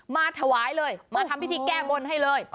มาถวายเลยมาทำพิธีแก้บนให้เลย